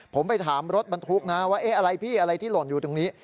ผมไปถามรถบรรทุกนะว่าเอ๊ะอะไรพี่อะไรที่หล่นอยู่ตรงนี้